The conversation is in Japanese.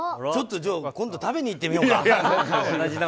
じゃあ今度食べに行ってみようか。